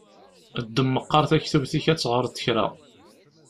Ddem meqqaṛ taktubt-ik ad teɣṛeḍ kra!